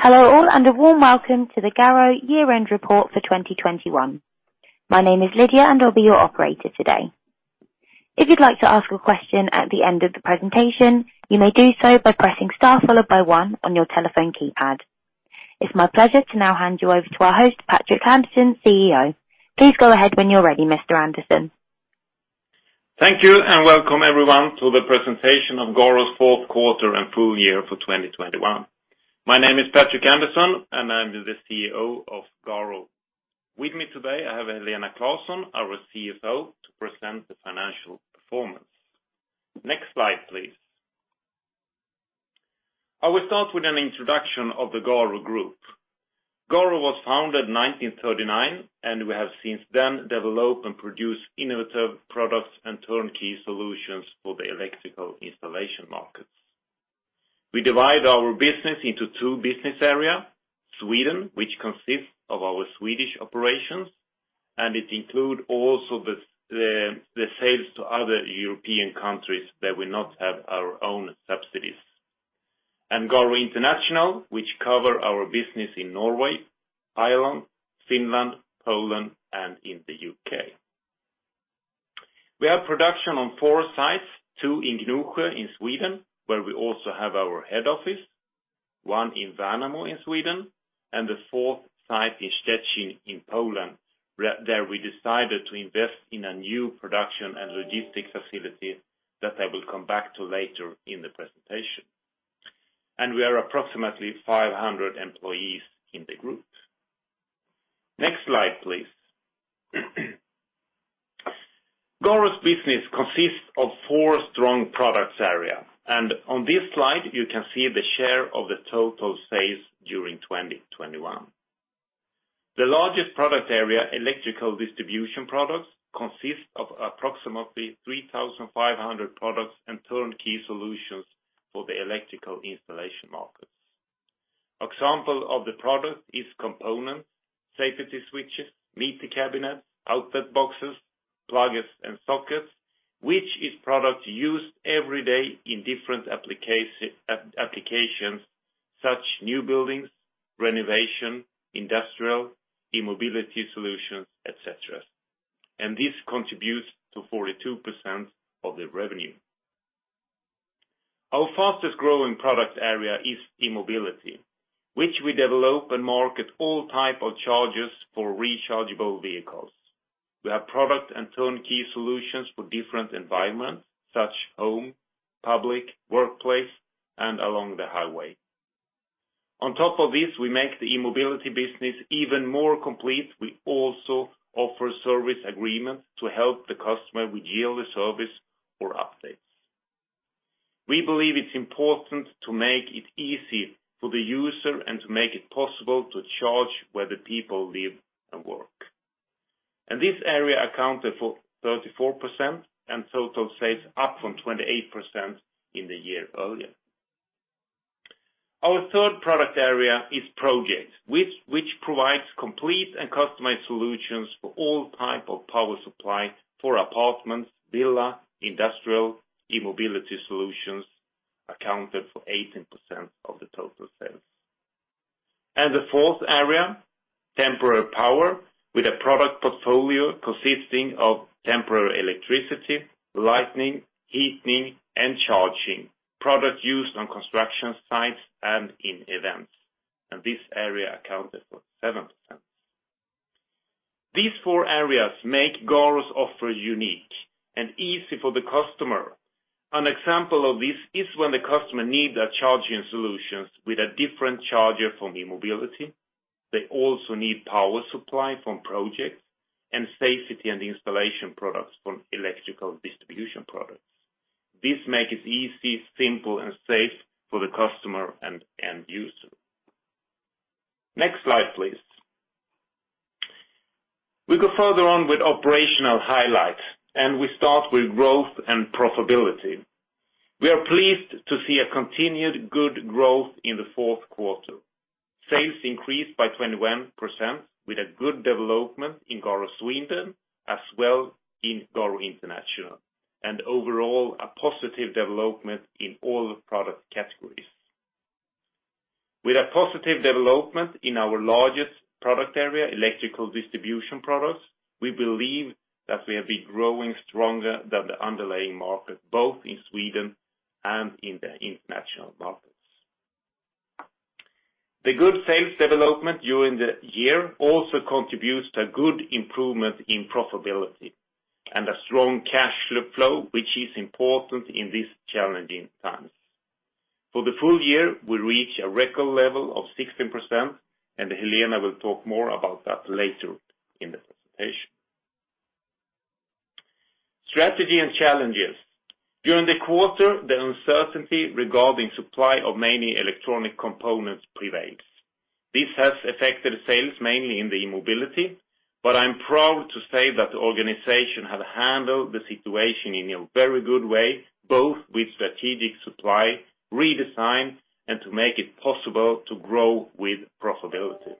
Hello all, and a warm welcome to the Garo year-end report for 2021. My name is Lydia, and I'll be your operator today. If you'd like to ask a question at the end of the presentation, you may do so by pressing star followed by one on your telephone keypad. It's my pleasure to now hand you over to our host, Patrik Andersson, CEO. Please go ahead when you're ready, Mr. Andersson. Thank you, and welcome everyone to the presentation of Garo's fourth quarter and full year for 2021. My name is Patrik Andersson, and I'm the CEO of Garo. With me today, I have Helena Claesson, our CFO, to present the financial performance. Next slide, please. I will start with an introduction of the Garo group. Garo was founded in 1939, and we have since then developed and produced innovative products and turnkey solutions for the electrical installation markets. We divide our business into two business area: Sweden, which consists of our Swedish operations, and it include also the sales to other European countries that we not have our own subsidiaries. Garo International, which cover our business in Norway, Ireland, Finland, Poland, and in the U.K. We have production on four sites, two in Nyköping in Sweden, where we also have our head office, one in Värnamo in Sweden, and the fourth site in Szczecin in Poland, where we decided to invest in a new production and logistics facility that I will come back to later in the presentation. We are approximately 500 employees in the group. Next slide, please. Garo's business consists of four strong product areas. On this slide, you can see the share of the total sales during 2021. The largest product area, electrical distribution products, consists of approximately 3,500 products and turnkey solutions for the electrical installation markets. Example of the product is components, safety switches, meter cabinets, outlet boxes, plugins, and sockets, which is products used every day in different applications, such as new buildings, renovation, industrial, e-mobility solutions, et cetera. This contributes to 42% of the revenue. Our fastest growing product area is E-mobility, which we develop and market all types of chargers for rechargeable vehicles. We have product and turnkey solutions for different environments, such as home, public, workplace, and along the highway. On top of this, we make the E-mobility business even more complete. We also offer service agreements to help the customer with yearly service or updates. We believe it's important to make it easy for the user and to make it possible to charge where the people live and work. This area accounted for 34% of total sales up from 28% in the year earlier. Our third product area is projects, which provides complete and customized solutions for all types of power supply for apartments, villas, industrial, E-mobility solutions, accounted for 18% of the total sales. The fourth area, temporary power, with a product portfolio consisting of temporary electricity, lighting, heating, and charging, product used on construction sites and in events. This area accounted for 7%. These four areas make Garo's offer unique and easy for the customer. An example of this is when the customer need a charging solutions with a different charger from E-mobility. They also need power supply from Project business and safety and installation products from Electrical distribution products. This make it easy, simple, and safe for the customer and end user. Next slide, please. We go further on with operational highlights, and we start with growth and profitability. We are pleased to see a continued good growth in the fourth quarter. Sales increased by 21% with a good development in Garo Sweden as well as in Garo International, and overall, a positive development in all product categories. With a positive development in our largest product area, electrical distribution products, we believe that we have been growing stronger than the underlying market, both in Sweden and in the international markets. The good sales development during the year also contributes to good improvement in profitability and a strong cash flow, which is important in these challenging times. For the full year, we reach a record level of 16%, and Helena will talk more about that later in the presentation. Strategy and challenges. During the quarter, the uncertainty regarding supply of many electronic components prevails. This has affected sales mainly in the E-mobility, but I'm proud to say that the organization have handled the situation in a very good way, both with strategic supply, redesign, and to make it possible to grow with profitability.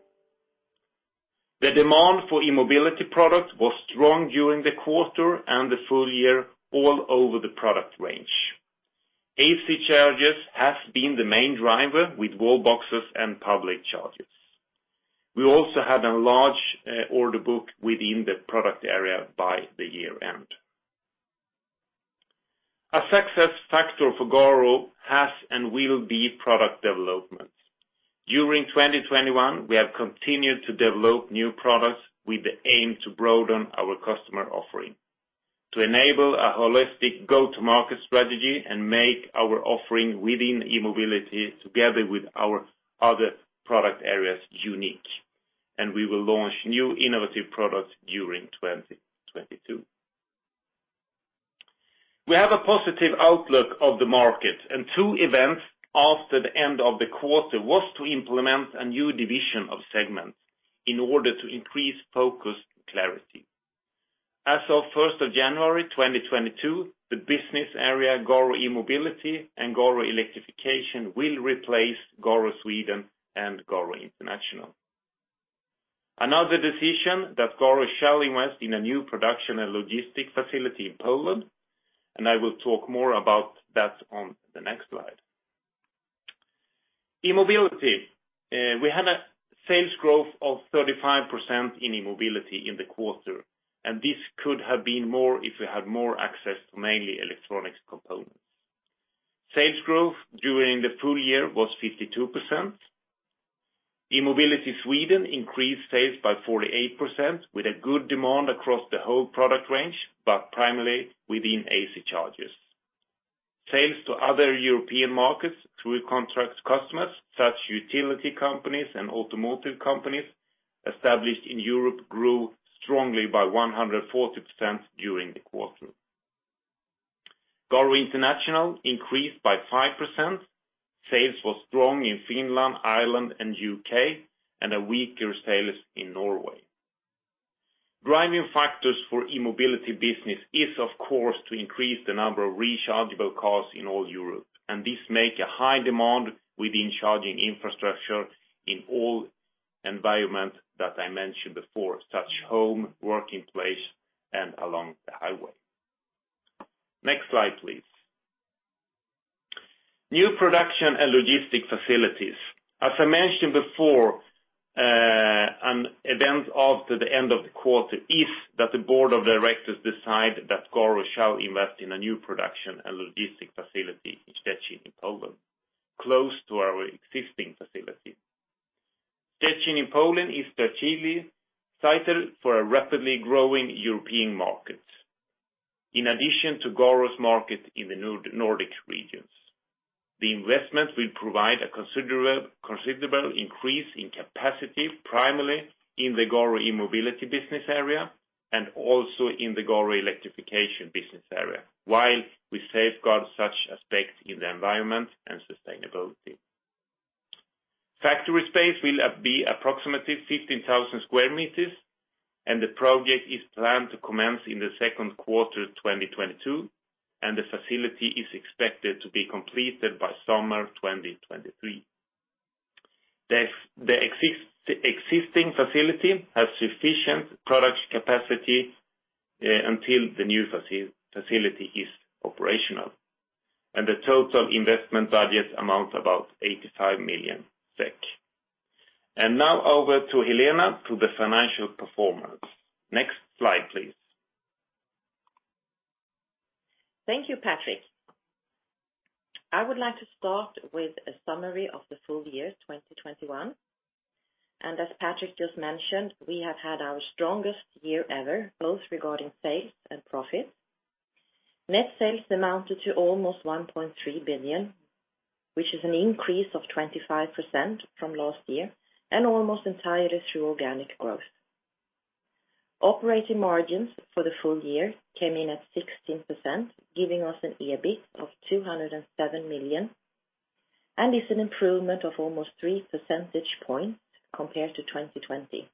The demand for E-mobility product was strong during the quarter and the full year all over the product range. AC chargers has been the main driver with Wallbox and public chargers. We also had a large order book within the product area by the year end. A success factor for Garo has and will be product development. During 2021, we have continued to develop new products with the aim to broaden our customer offering. To enable a holistic go-to-market strategy and make our offering within E-mobility together with our other product areas unique. We will launch new innovative products during 2022. We have a positive outlook of the market, and two events after the end of the quarter was to implement a new division of segments in order to increase focus and clarity. As of January 1, 2022, the business area, Garo E-mobility and Garo Electrification, will replace Garo Sweden and Garo International. Another decision that Garo shall invest in a new production and logistics facility in Poland, and I will talk more about that on the next slide. E-mobility. We had a sales growth of 35% in E-mobility in the quarter, and this could have been more if we had more access to mainly electronic components. Sales growth during the full year was 52%. E-mobility Sweden increased sales by 48% with a good demand across the whole product range, but primarily within AC chargers. Sales to other European markets through contract customers, such as utility companies and automotive companies established in Europe grew strongly by 140% during the quarter. Garo International increased by 5%. Sales was strong in Finland, Ireland, and U.K., and a weaker sales in Norway. Driving factors for E-mobility business is, of course, to increase the number of rechargeable cars in all Europe, and this make a high demand within charging infrastructure in all environment that I mentioned before, such home, working place, and along the highway. Next slide, please. New production and logistic facilities. As I mentioned before, an event after the end of the quarter is that the board of directors decide that Garo shall invest in a new production and logistic facility in Szczecin in Poland, close to our existing facility. Szczecin in Poland is strategically sited for a rapidly growing European market. In addition to Garo's market in the Nordic regions. The investment will provide a considerable increase in capacity, primarily in the Garo E-mobility business area and also in the Garo Electrification business area, while we safeguard such aspects in the environment and sustainability. Factory space will be approximately 15,000 sq meter, and the project is planned to commence in the second quarter of 2022, and the facility is expected to be completed by summer of 2023. The existing facility has sufficient product capacity until the new facility is operational, and the total investment budget amounts to about SEK 85 million. Now over to Helena on the financial performance. Next slide, please. Thank you, Patrik. I would like to start with a summary of the full year 2021. As Patrik just mentioned, we have had our strongest year ever, both regarding sales and profits. Net sales amounted to almost 1.3 billion, which is an increase of 25% from last year and almost entirely through organic growth. Operating margins for the full year came in at 16%, giving us an EBIT of 207 million, and is an improvement of almost 3 percentage points compared to 2020.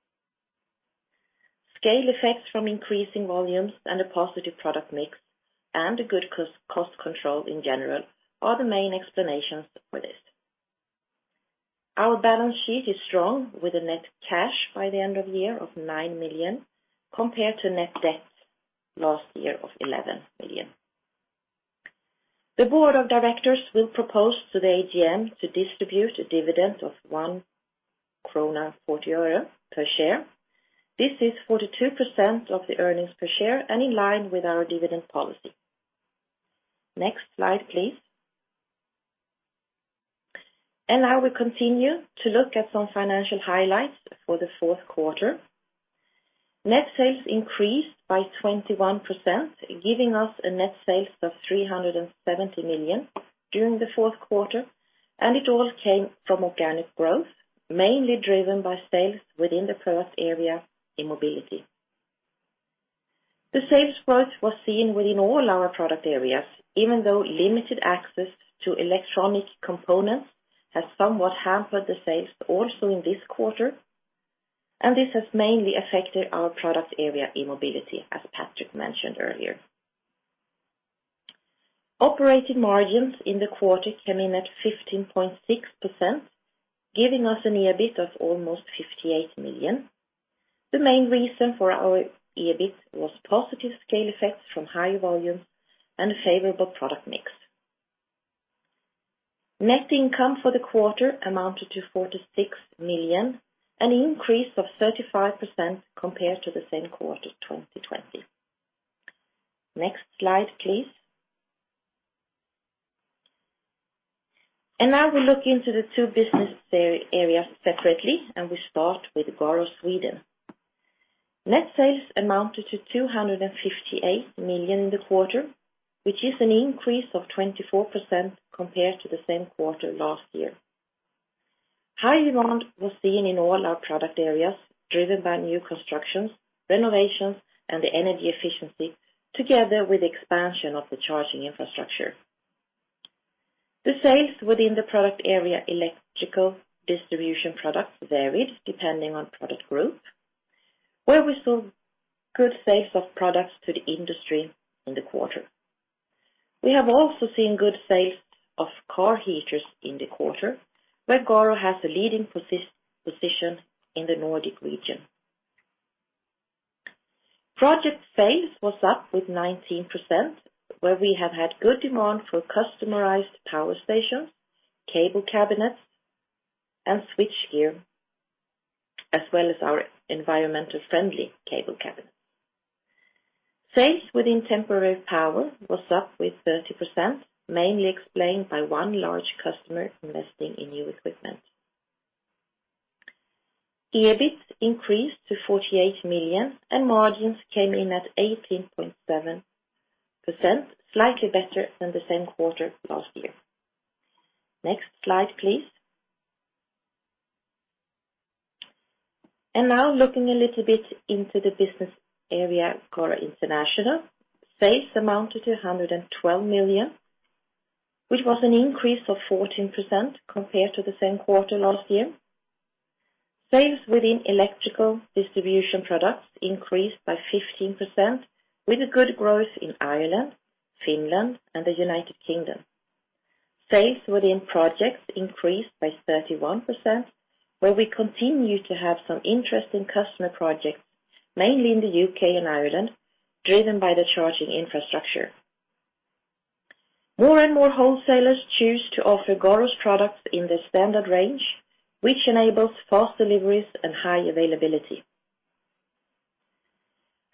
Scale effects from increasing volumes and a positive product mix and a good cost control in general are the main explanations for this. Our balance sheet is strong with a net cash by the end of the year of 9 million compared to net debts last year of 11 million. The board of directors will propose to the AGM to distribute a dividend of SEK 1.40 per share. This is 42% of the earnings per share and in line with our dividend policy. Next slide, please. Now we continue to look at some financial highlights for the fourth quarter. Net sales increased by 21%, giving us net sales of 370 million during the fourth quarter, and it all came from organic growth, mainly driven by sales within the first area, E-mobility. The sales growth was seen within all our product areas, even though limited access to electronic components has somewhat hampered the sales also in this quarter. This has mainly affected our product area, E-mobility, as Patrik mentioned earlier. Operating margins in the quarter came in at 15.6%, giving us an EBIT of almost 58 million. The main reason for our EBIT was positive scale effects from higher volumes and a favorable product mix. Net income for the quarter amounted to 46 million, an increase of 35% compared to the same quarter 2020. Next slide, please. Now we look into the two business areas separately, and we start with Garo Sweden. Net sales amounted to 258 million in the quarter, which is an increase of 24% compared to the same quarter last year. High demand was seen in all our product areas, driven by new constructions, renovations, and the energy efficiency together with expansion of the charging infrastructure. The sales within the product area electrical distribution products varied depending on product group, where we saw good sales of products to the industry in the quarter. We have also seen good sales of car heaters in the quarter, where Garo has a leading position in the Nordic region. Project sales was up with 19%, where we have had good demand for customized power stations, cable cabinets, and switchgear, as well as our environmentally friendly cable cabinet. Sales within Temporary Power was up with 30%, mainly explained by one large customer investing in new equipment. EBIT increased to 48 million, and margins came in at 18.7%, slightly better than the same quarter last year. Next slide, please. Now looking a little bit into the business area of Garo International. Sales amounted to 112 million, which was an increase of 14% compared to the same quarter last year. Sales within electrical distribution products increased by 15% with a good growth in Ireland, Finland, and the United Kingdom. Sales within projects increased by 31%, where we continue to have some interest in customer projects, mainly in the U.K. and Ireland, driven by the charging infrastructure. More and more wholesalers choose to offer Garo's products in the standard range, which enables fast deliveries and high availability.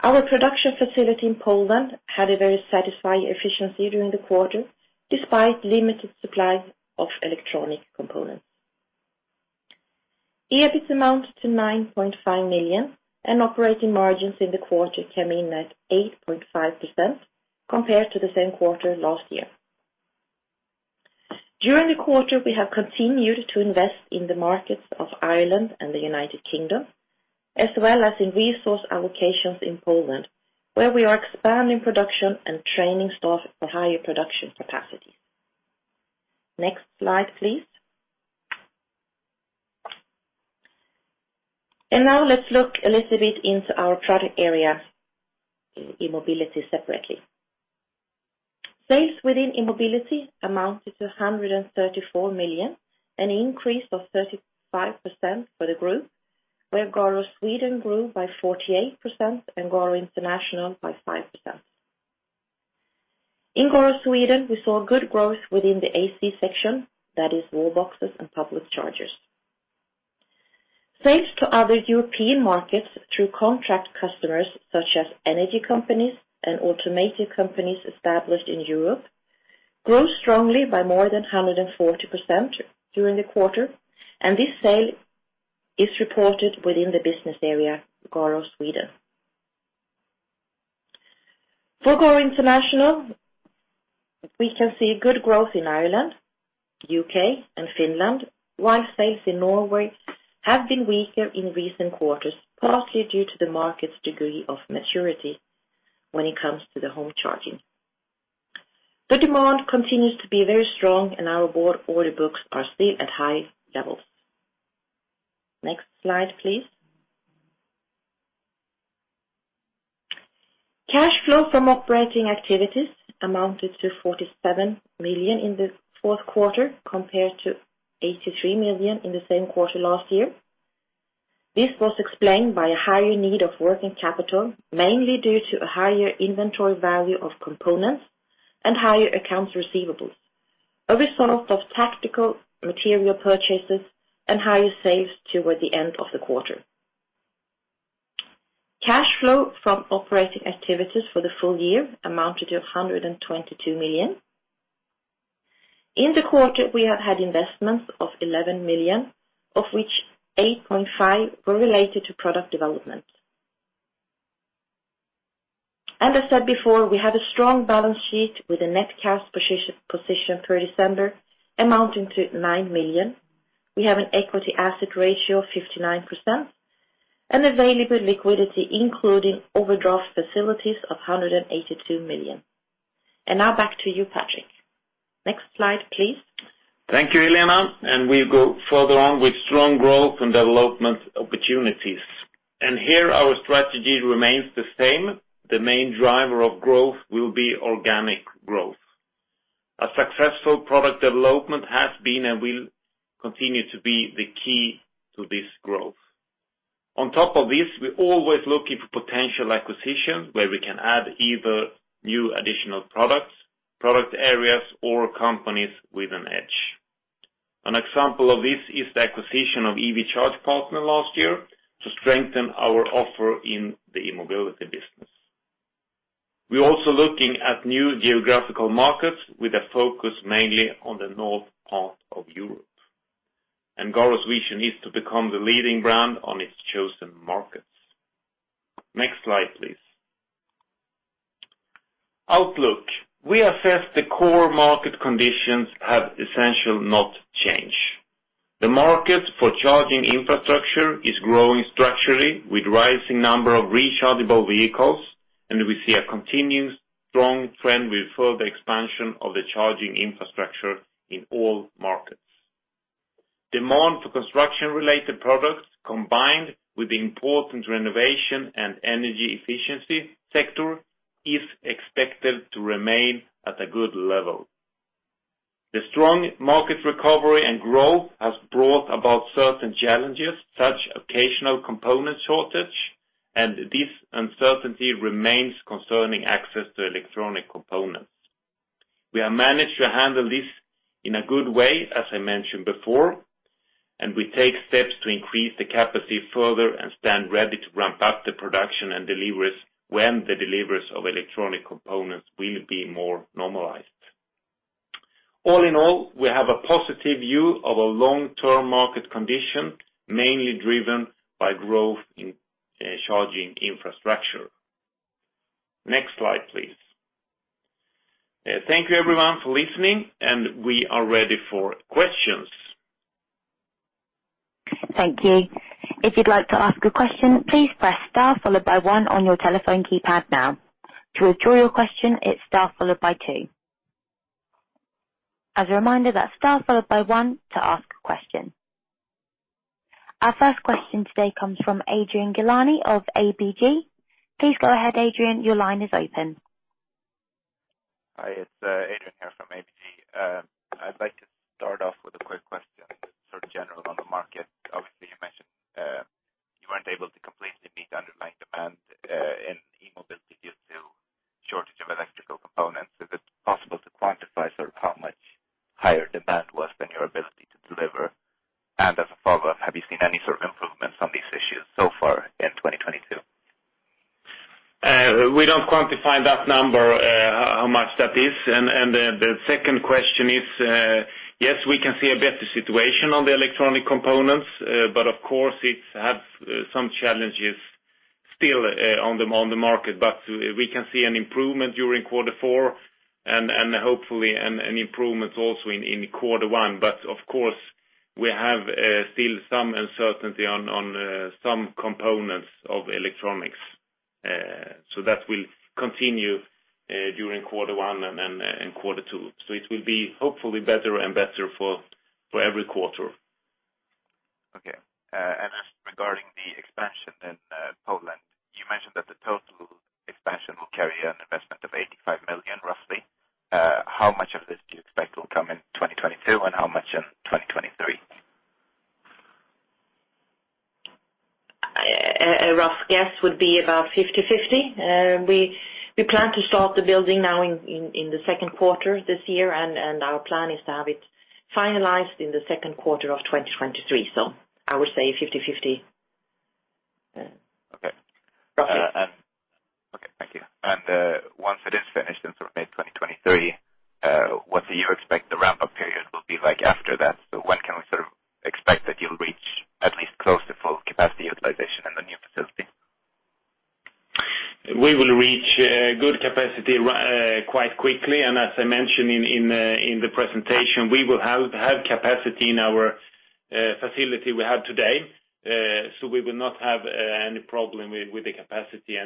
Our production facility in Poland had a very satisfying efficiency during the quarter, despite limited supply of electronic components. EBIT amounted to 9.5 million, and operating margins in the quarter came in at 8.5% compared to the same quarter last year. During the quarter, we have continued to invest in the markets of Ireland and the United Kingdom, as well as in resource allocations in Poland, where we are expanding production and training staff for higher production capacities. Next slide, please. Now let's look a little bit into our product area in E-mobility separately. Sales within E-mobility amounted to 134 million, an increase of 35% for the group, where Garo Sweden grew by 48% and Garo International by 5%. In Garo Sweden, we saw good growth within the AC section, that is Wallbox and public chargers. Sales to other European markets through contract customers such as energy companies and automotive companies established in Europe grew strongly by more than 140% during the quarter, and this sale is reported within the business area, Garo Sweden. For Garo International, we can see good growth in Ireland, U.K., and Finland. While sales in Norway have been weaker in recent quarters, partly due to the market's degree of maturity when it comes to the home charging. The demand continues to be very strong, and our order books are still at high levels. Next slide, please. Cash flow from operating activities amounted to 47 million in the fourth quarter compared to 83 million in the same quarter last year. This was explained by a higher need of working capital, mainly due to a higher inventory value of components and higher accounts receivables, a result of tactical material purchases and higher sales toward the end of the quarter. Cash flow from operating activities for the full year amounted to 122 million. In the quarter, we have had investments of 11 million, of which 8.5 were related to product development. As said before, we have a strong balance sheet with a net cash position per December amounting to 9 million. We have an equity asset ratio of 59% and available liquidity including overdraft facilities of 182 million. Now back to you, Patrik. Next slide, please. Thank you, Helena. We go further on with strong growth and development opportunities. Here our strategy remains the same. The main driver of growth will be organic growth. A successful product development has been and will continue to be the key to this growth. On top of this, we're always looking for potential acquisitions where we can add either new additional products, product areas or companies with an edge. An example of this is the acquisition of EV Charge Partner last year to strengthen our offer in the mobility business. We're also looking at new geographical markets with a focus mainly on the north part of Europe. Garo's vision is to become the leading brand on its chosen markets. Next slide, please. Outlook. We assess the core market conditions have essentially not changed. The market for charging infrastructure is growing structurally with rising number of rechargeable vehicles, and we see a continuous strong trend with further expansion of the charging infrastructure in all markets. Demand for construction-related products, combined with the important renovation and energy efficiency sector, is expected to remain at a good level. The strong market recovery and growth has brought about certain challenges, such as occasional component shortage, and this uncertainty remains concerning access to electronic components. We have managed to handle this in a good way, as I mentioned before, and we take steps to increase the capacity further and stand ready to ramp up the production and deliveries when the deliveries of electronic components will be more normalized. All in all, we have a positive view of a long-term market condition, mainly driven by growth in charging infrastructure. Next slide, please. Thank you everyone for listening, and we are ready for questions. Our first question today comes from Adrian Gilani of ABG. Please go ahead, Adrian, your line is open. Hi, it's Adrian here from ABG. I'd like to start off with a quick question, sort of general on the market. Obviously, you mentioned you weren't able to completely meet underlying demand in E-mobility due to shortage of electrical components. Is it possible to quantify sort of how much higher demand was than your ability to deliver? And as a follow-up, have you seen any sort of improvements on these issues so far in 2022? We don't quantify that number, how much that is. The second question is, yes, we can see a better situation on the electronic components, but of course it have some challenges still, on the market. We can see an improvement during quarter four and hopefully an improvement also in quarter one. Of course, we have still some uncertainty on some components of electronics. That will continue during quarter one and quarter two. It will be hopefully better and better for every quarter. Okay. Regarding the expansion in Poland, you mentioned that the total expansion will carry an investment of 85 million, roughly. How much of this do you expect will come in 2022, and how much in 2023? A rough guess would be about 50/50. We plan to start the building now in the second quarter this year, and our plan is to have it finalized in the second quarter of 2023. I would say 50/50. Okay. Roughly. Okay, thank you. Once it is finished in sort of May 2023, what do you expect the ramp-up period will be like after that? When can we sort of expect that you'll reach at least close to full capacity utilization in the new facility? We will reach good capacity quite quickly. As I mentioned in the presentation, we will have capacity in our facility we have today. We will not have any problem with the capacity.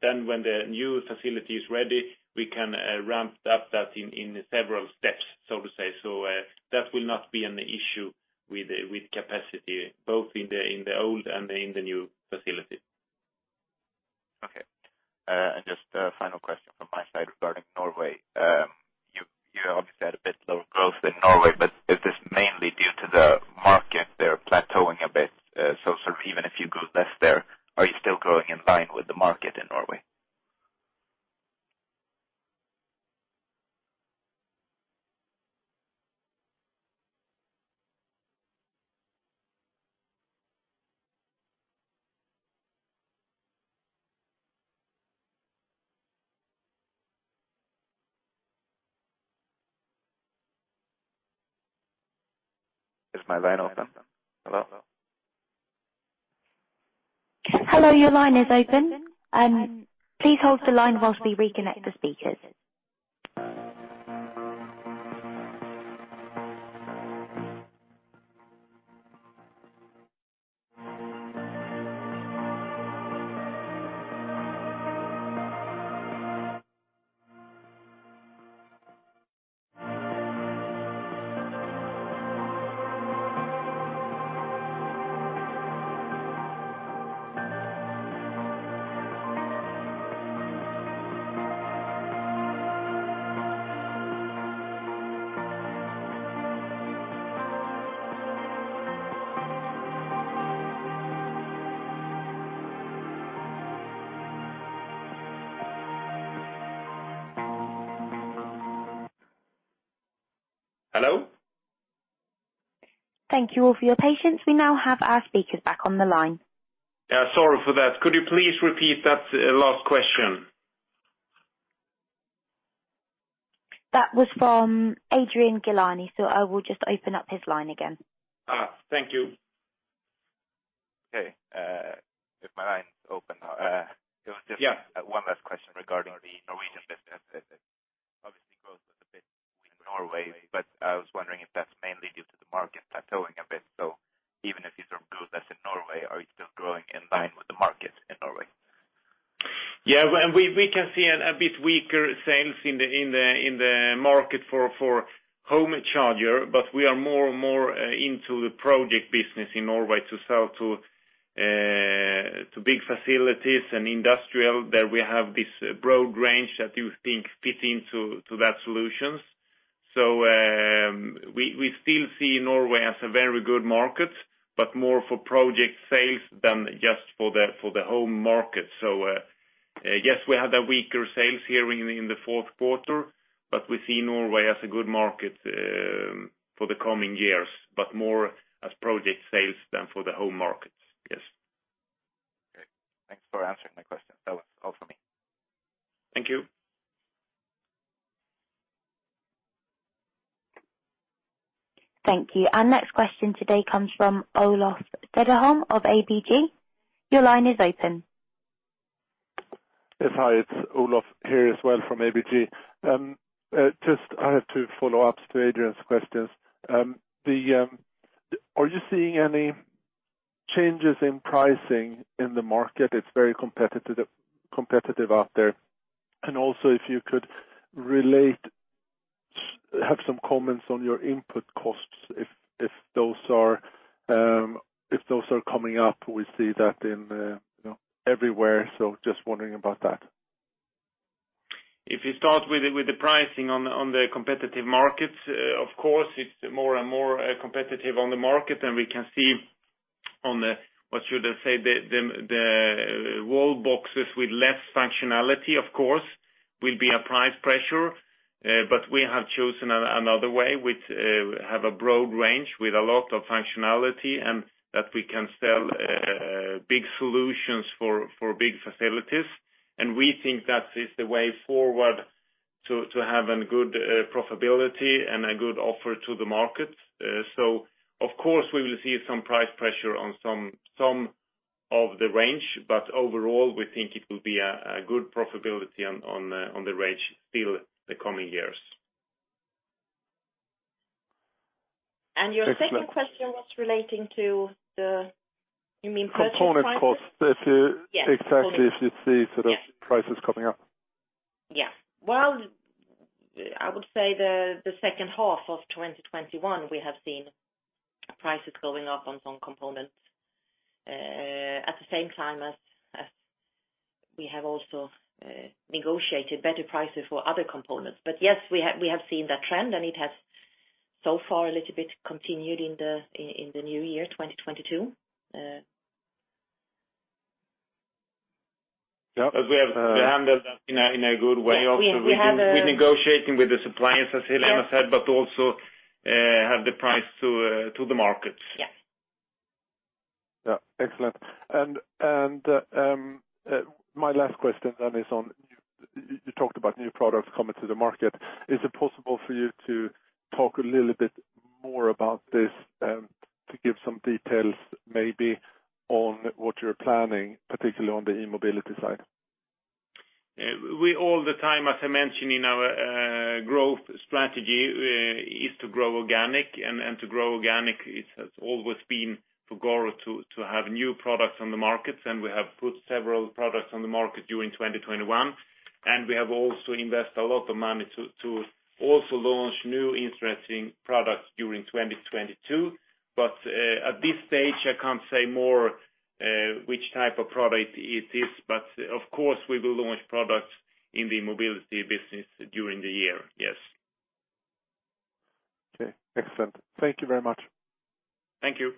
Then when the new facility is ready, we can ramp up that in several steps, so to say. That will not be an issue with capacity both in the old and in the new facility. Okay. Just a final question from my side regarding Norway. You obviously had a bit lower growth in Norway. Is this mainly due to the market there plateauing a bit? Even if you grow less there, are you still growing in line with the market in Norway? Is my line open? Hello? Hello, your line is open. Please hold the line whilst we reconnect the speakers. Hello? Thank you all for your patience. We now have our speakers back on the line. Yeah, sorry for that. Could you please repeat that, last question? That was from Adrian Gilani, so I will just open up his line again. Thank you. Okay. If my line's open now, it was just- Yeah One last question regarding the Norwegian business. Obviously growth was a bit weak in Norway, but I was wondering if that's mainly due to the market plateauing a bit. Even if you don't grow as in Norway, are you still growing in line with the market in Norway? Yeah. We can see a bit weaker sales in the market for home charger. We are more and more into the project business in Norway to sell to big facilities and industrial. There we have this broad range that you think fit into that solutions. We still see Norway as a very good market, but more for project sales than just for the home market. Yes, we had weaker sales here in the fourth quarter, but we see Norway as a good market for the coming years, but more as project sales than for the home markets. Yes. Okay. Thanks for answering my question. That was all for me. Thank you. Thank you. Our next question today comes from Olof Cederholm of ABG. Your line is open. Yes. Hi, it's Olof here as well from ABG. Just I have two follow-ups to Adrian's questions. Are you seeing any changes in pricing in the market? It's very competitive out there. Also, if you could relate, have some comments on your input costs if those are coming up, we see that, you know, everywhere. Just wondering about that. If you start with the pricing on the competitive markets, of course, it's more and more competitive on the market. We can see the Wallboxes with less functionality, of course, will be a price pressure. But we have chosen another way, which have a broad range with a lot of functionality, and that we can sell big solutions for big facilities. We think that is the way forward to have a good profitability and a good offer to the market. Of course, we will see some price pressure on some of the range, but overall, we think it will be a good profitability on the range still the coming years. Your second question was relating to the. You mean purchasing prices? Component costs. Yes. Exactly if you see sort of prices coming up. Well, I would say the second half of 2021, we have seen prices going up on some components. At the same time, we have also negotiated better prices for other components. Yes, we have seen that trend, and it has so far a little bit continued in the new year, 2022. Yeah. We have handled that in a good way also. We have. We're negotiating with the suppliers, as Helena said. Yeah Also have the price to the markets. Yes. Yeah. Excellent. My last question is on, you talked about new products coming to the market. Is it possible for you to talk a little bit more about this, to give some details maybe on what you're planning, particularly on the E-mobility side? We all the time, as I mentioned in our growth strategy, is to grow organic. To grow organic, it has always been for Garo to have new products on the markets, and we have put several products on the market during 2021. We have also invest a lot of money to also launch new interesting products during 2022. At this stage, I can't say more, which type of product it is. Of course, we will launch products in the mobility business during the year. Yes. Okay. Excellent. Thank you very much. Thank you.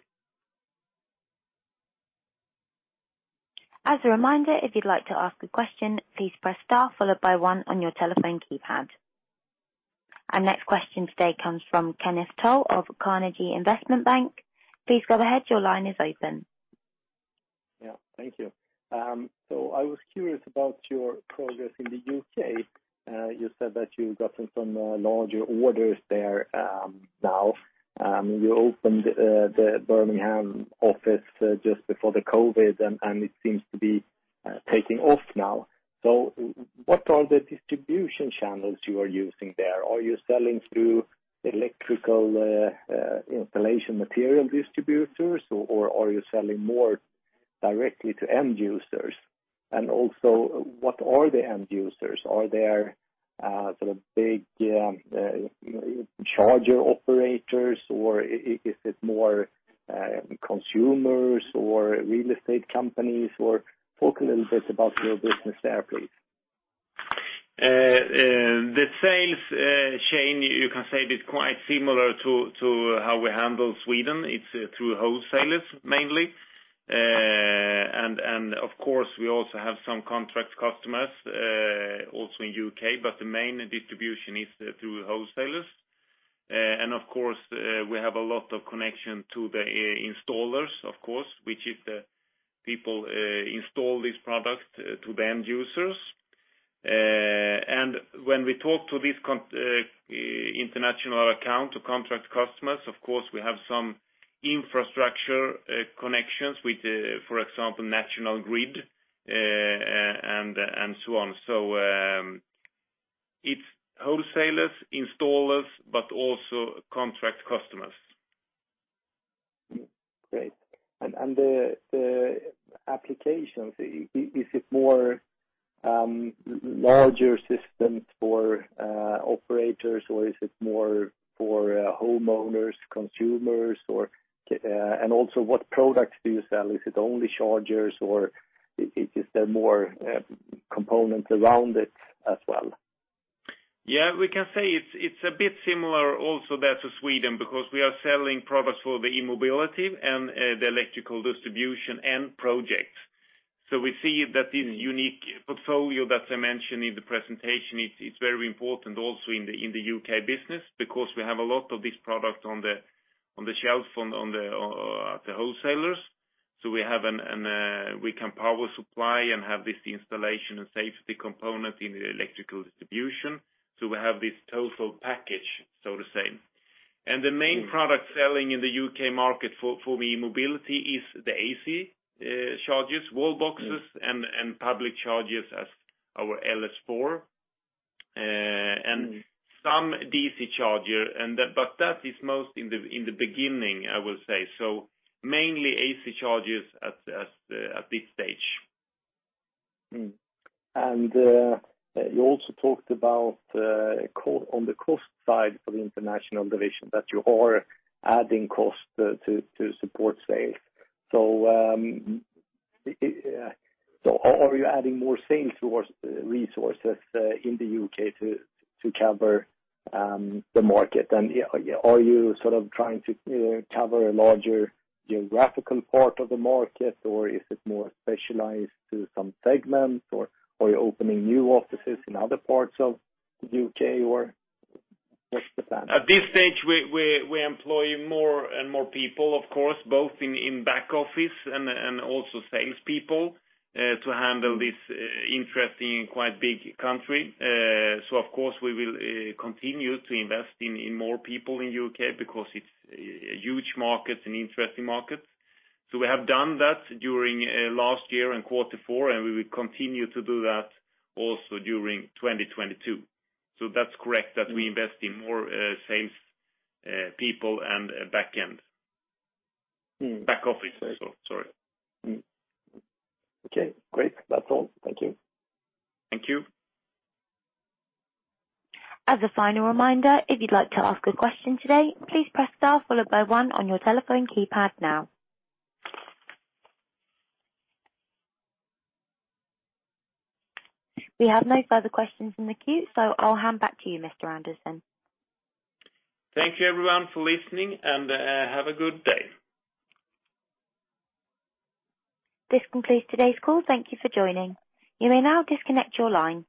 As a reminder, if you'd like to ask a question, please press star followed by one on your telephone keypad. Our next question today comes from Kenneth Toll of Carnegie Investment Bank. Please go ahead. Your line is open. Yeah. Thank you. I was curious about your progress in the U.K. You said that you've gotten some larger orders there now. You opened the Birmingham office just before the COVID and it seems to be taking off now. What are the distribution channels you are using there? Are you selling through electrical installation material distributors or are you selling more directly to end users, and also what are the end users? Are there sort of big charger operators, or is it more consumers or real estate companies? Talk a little bit about your business there, please. The sales chain, you can say it is quite similar to how we handle Sweden. It's through wholesalers mainly. Of course, we also have some contract customers, also in U.K., but the main distribution is through wholesalers. Of course, we have a lot of connections to the installers of course, which is the people who install this product to the end users. When we talk to these international and contract customers, of course, we have some infrastructure connections with, for example, National Grid, and so on. It's wholesalers, installers, but also contract customers. Great. The applications, is it more larger systems for operators, or is it more for homeowners, consumers, or? Also what products do you sell? Is it only chargers or is there more components around it as well? Yeah, we can say it's a bit similar also to Sweden because we are selling products for the E-mobility and the electrical distribution and projects. We see that this unique portfolio that I mentioned in the presentation, it's very important also in the U.K. business because we have a lot of these products on the shelf at the wholesalers. We can power supply and have this installation and safety component in the electrical distribution. We have this total package, so to say. The main product selling in the U.K. market for the E-mobility is the AC chargers, Wallbox and public chargers as our LS4. Some DC charger. That is most in the beginning, I will say. Mainly AC chargers at this stage. You also talked about on the cost side of the international division, that you are adding cost to support sales. Are you adding more sales towards resources in the U.K. to cover the market? Are you sort of trying to, you know, cover a larger geographical part of the market, or is it more specialized to some segments or you're opening new offices in other parts of the U.K., or what's the plan? At this stage, we employ more and more people, of course, both in back-office and also sales people to handle this interesting and quite big country. Of course we will continue to invest in more people in U.K. because it's a huge market, an interesting market. We have done that during last year in quarter four, and we will continue to do that also during 2022. That's correct, that we invest in more sales people and backend. Back office. Sorry. Okay, great. That's all. Thank you. Thank you. As a final reminder, if you'd like to ask a question today, please press star followed by one on your telephone keypad now. We have no further questions in the queue, so I'll hand back to you, Mr. Andersson. Thank you everyone for listening, and have a good day. This concludes today's call. Thank you for joining. You may now disconnect your line.